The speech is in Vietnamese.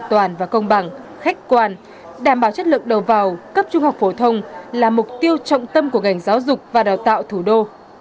an toàn và công bằng khách quan đảm bảo chất lượng đầu vào cấp trung học phổ thông là mục tiêu trọng tâm của ngành giáo dục và đào tạo thủ đô